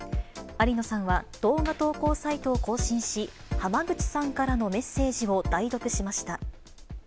有野さんは動画投稿サイトを更新し、濱口さんからのメッセージを代読しました。